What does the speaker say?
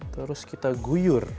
terus kita guyur